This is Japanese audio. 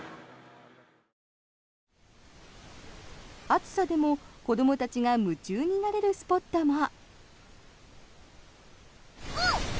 暑さでも子どもたちが夢中になれるスポットも。